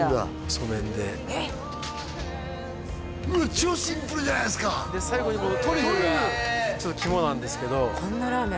超シンプルじゃないですかで最後にこのトリュフがトリュフちょっと肝なんですけどこんなラーメン